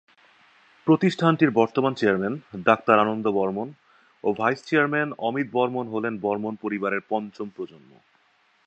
প্রতিষ্ঠানটির বর্তমান chairman doctor Ananda Barman ও ভাইস চেয়ারম্যান অমিত বর্মণ হলেন বর্মণ পরিবারের পঞ্চম প্রজন্ম।